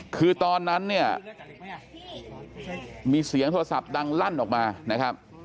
คือตอนนั้นเนี่ยมีเสียงโทรศัพท์ดังลั่นออกมานะครับ